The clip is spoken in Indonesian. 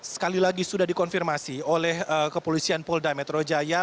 sekali lagi sudah dikonfirmasi oleh kepolisian polda metro jaya